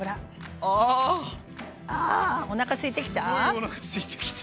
あおなかすいてきた？